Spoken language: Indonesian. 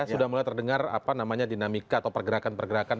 sudah mulai terdengar dinamika atau pergerakan pergerakan